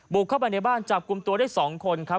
เข้าไปในบ้านจับกลุ่มตัวได้๒คนครับ